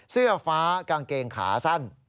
เสื้อฟ้ากางเกงขาสั้น